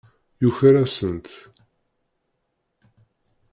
Yuker-asent.